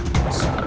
tentu se names